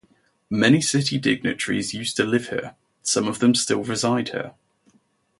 Many city dignitaries used to live here, some of them still reside here.